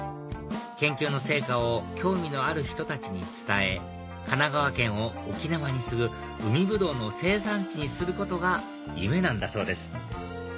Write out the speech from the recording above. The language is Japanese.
研究の成果を興味のある人たちに伝え神奈川県を沖縄に次ぐ海ぶどうの生産地にすることが夢なんだそうです